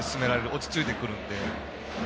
落ち着いてくるので。